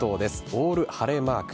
オール晴れマーク。